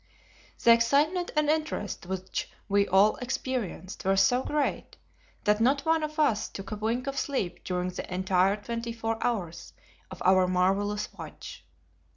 The excitement and interest which we all experienced were so great that not one of us took a wink of sleep during the entire twenty four hours of our marvellous watch.